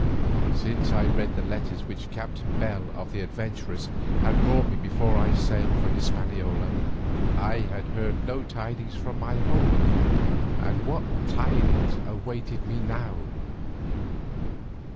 Since I read the letters which Captain Bell of the "Adventuress" had brought me before I sailed for Hispaniola, I had heard no tidings from my home, and what tidings awaited me now?